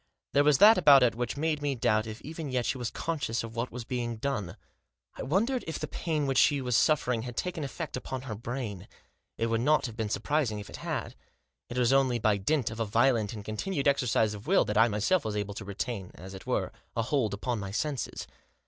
There was that about it which 216 THE JOSS. made me doubt if even yet she was conscious of what was being done; I wondered if the pain which she was suffering had taken effect upon her brain. It would not have been surprising if it had. It was only by dint of a violent and continued exercise of will that I myself was able to retain, as it were, a hold upon my senses.